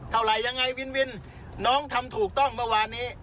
เท่าไหร่ยังไงวินวินน้องทำถูกต้องเมื่อวานนี้